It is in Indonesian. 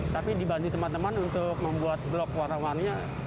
tapi dibantu teman teman untuk membuat blok warna warni